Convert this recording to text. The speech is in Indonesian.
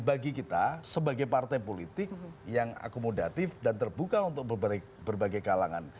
bagi kita sebagai partai politik yang akomodatif dan terbuka untuk berbagai kalangan